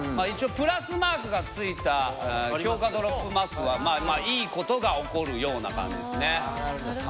一応プラスマークがついた強化ドロップマスはいいことが起こるような感じですね。